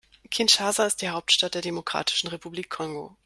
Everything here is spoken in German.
Kinshasa ist die Hauptstadt der Demokratischen Republik Kongo.